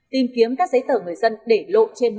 tìm kiếm các giấy tờ người dân để lộn